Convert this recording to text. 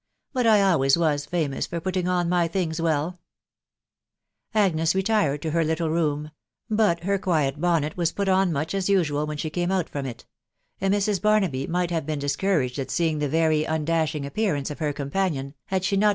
..• But I alwsp was famous for putting on my things welL" Agnes retired to her little room ; hut her quiet bonnet vn put on much as usual when she came out from it j. and Um» Barnahy might have been discouraged at seeing the tot undashing appearance of her companion, had ahe not.